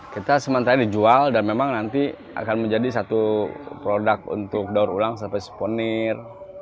kita sementara dijual dan memang nanti akan menjadi satu produk untuk daur ulang sampai souvenir